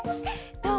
どう？